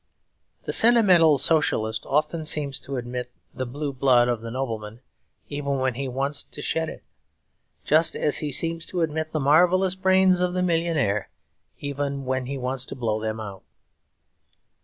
The sentimental socialist often seems to admit the blue blood of the nobleman, even when he wants to shed it; just as he seems to admit the marvellous brains of the millionaire, even when he wants to blow them out.